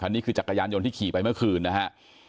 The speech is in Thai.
นี่คือจักรยานยนต์ที่ขี่ไปเมื่อคืนนะฮะ